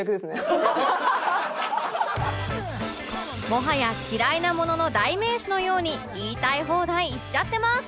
もはや嫌いなものの代名詞のように言いたい放題言っちゃってます